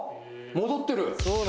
戻ってる！